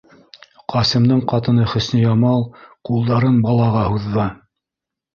- Ҡасимдың ҡатыны Хөсниямал ҡулдарын балаға һуҙҙы.